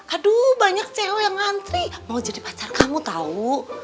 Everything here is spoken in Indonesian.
aduh banyak cewek yang ngantri mau jadi pacar kamu tahu